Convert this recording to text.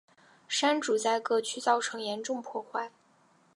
山竹在各区造成严重破坏。